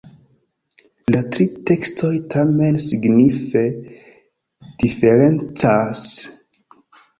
La tri tekstoj tamen signife diferencas.